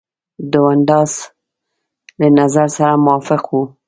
دونډاس له نظر سره موافق وو.